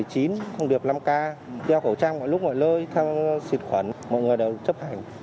công việc năm k đeo khẩu trang mọi lúc